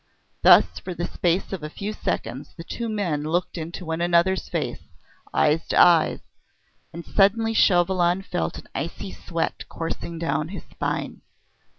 Thus for the space of a few seconds the two men looked into one another's face, eyes to eyes and suddenly Chauvelin felt an icy sweat coursing down his spine.